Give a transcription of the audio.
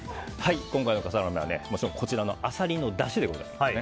今回の笠原の眼はこちらのアサリのだしでございます。